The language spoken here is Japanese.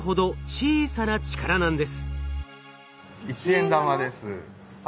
１円玉です。